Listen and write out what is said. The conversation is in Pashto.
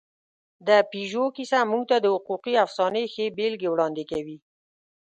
د پيژو کیسه موږ ته د حقوقي افسانې ښې بېلګې وړاندې کوي.